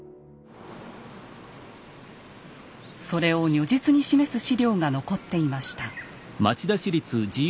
それを如実に示す資料が残っていました。